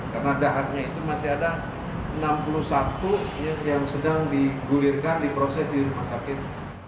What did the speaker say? karena saatnya itu masih ada enam puluh satu yang sedang digulirkan diproses di rumah sakit